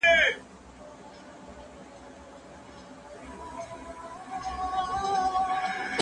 موږ د خپلو پخوانیو ستورو یاد تازه کوو.